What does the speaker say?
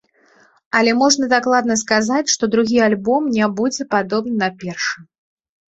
Але можна дакладна сказаць, што другі альбом не будзе падобны на першы.